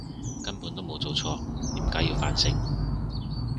根本都冇做錯，點解要反省！